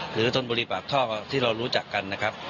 ธนบุรีปากท่อที่เรารู้จักกันนะครับ